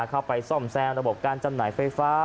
เข้าไปซ่อมแซมระบบการจำหน่ายไฟฟ้า